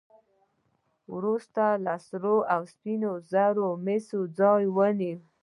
وروسته سرو او سپینو زرو د مسو ځای ونیو.